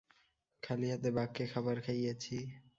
খালি হাতে বাঘ কে খাবার খাইয়েছি।